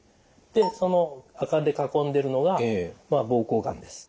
でその赤で囲んでるのが膀胱がんです。